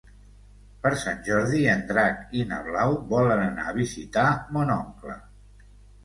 Per Sant Jordi en Drac i na Blau volen anar a visitar mon oncle.